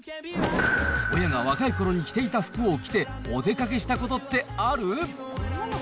親が若いころに着ていた服を着て、お出かけしたことってある？